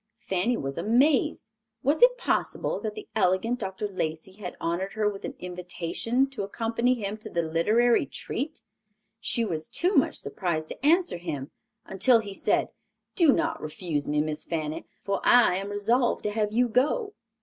Fanny was amazed. Was it possible that the elegant Dr. Lacey had honored her with an invitation to accompany him to the literary treat! She was too much surprised to answer him, until he said, "Do not refuse me, Miss Fanny, for I am resolved to have you go!"